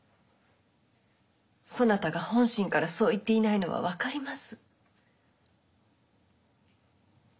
そなたが本心からそう言っていないのは分かります。